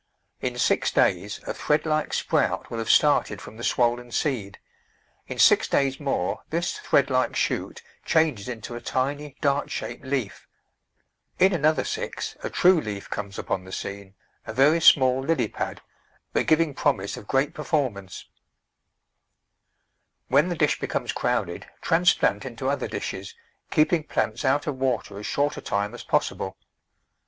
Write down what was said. In six days a thread* like sprout will have started from the swollen seed; in six days more this thread like shoot changes into a tiny dart shaped leaf; in another six a true leaf comes upon the scene, a very small lily pad, but giv ing promise of great performance. Digitized by Google 170 The Flower Garden [Chapter When the dish becomes crowded transplant into other dishes, keeping plants out of water as short a time as possible.